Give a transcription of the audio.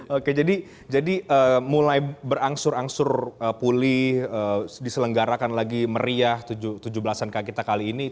oke jadi mulai berangsur angsur pulih diselenggarakan lagi meriah tujuh belas an kak kita kali ini